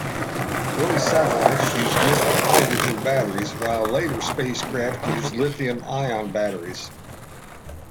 Early satellites used nickel-hydrogen batteries, while later spacecraft use lithium-ion batteries.